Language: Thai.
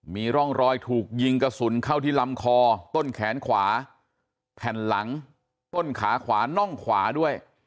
มีร่องรอยถูกยิงกระสุนเข้าที่ลำคอต้นแขนขวาแผ่นหลังต้นขาขวาน่องขวาด้วย